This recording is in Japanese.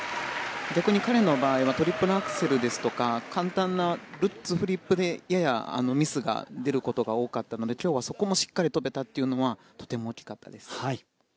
逆に、彼の場合はトリプルアクセルですとか簡単なルッツ、フリップでミスが出ることが大きかったので今日はそこも跳べたことがとても大きかったです。